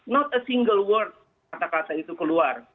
tapi itu single word kata kata itu keluar